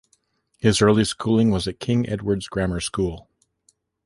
His early schooling was at King Edwards Grammar School.